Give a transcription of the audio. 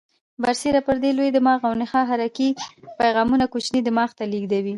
برسیره پر دې لوی دماغ او نخاع حرکي پیغامونه کوچني دماغ ته لېږدوي.